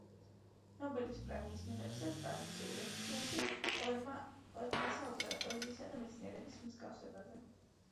ნობელის პრემიის მიღებისას, ტრადიციულ ლექციაში, პოეტმა ისაუბრა პოეზიისა და მეცნიერების მსგავსებაზე.